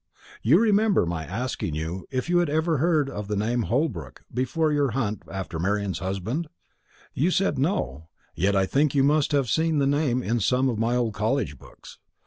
You remember my asking you if you had ever heard the name of Holbrook before your hunt after Marian's husband? You said no; yet I think you must have seen the name in some of my old college books.